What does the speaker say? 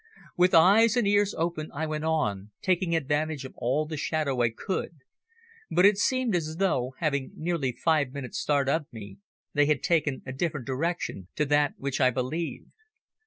With ears and eyes open I went on, taking advantage of all the shadow I could, but it seemed as though, having nearly five minutes' start of me, they had taken a different direction to that which I believed.